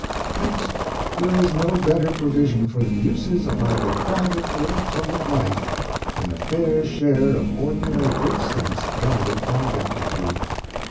Hence there is no better provision for the uses of either private or public life, than a fair share of ordinary gdod sense guided by rectitude.